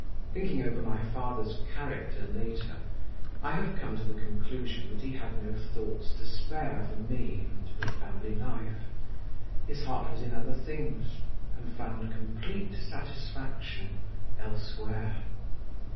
Thinking over my father's character later, I have come to the conclusion that he had no thoughts to spare for me and for family life; his heart was in other things, and found complete satisfaction elsewhere.